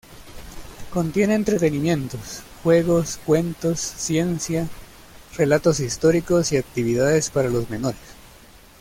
Contiene entretenimientos, juegos, cuentos, ciencia, relatos históricos y actividades para los menores.